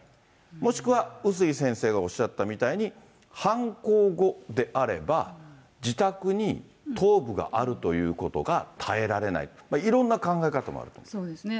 もしくは碓井先生がおっしゃったみたいに、犯行後であれば、自宅に頭部があるということが耐えられない、そうですね。